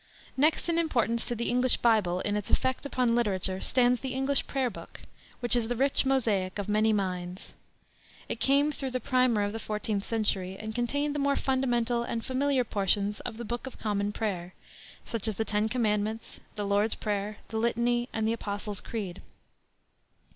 Next in importance to the English Bible in its effect upon literature stands the English Prayer Book, which is the rich mosaic of many minds. It came through The Prymer of the fourteenth century, and contained the more fundamental and familiar portions of the Book of Common Prayer, such as the Ten Commandments, the Lord's Prayer, the Litany, and the Apostles' Creed.